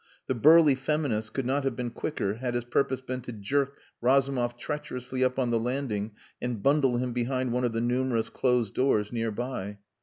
The burly feminist could not have been quicker had his purpose been to jerk Razumov treacherously up on the landing and bundle him behind one of the numerous closed doors near by.